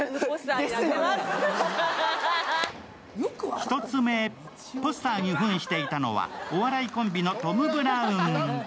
１つ目、ポスターに扮していたのはお笑いコンビのトム・ブラウン。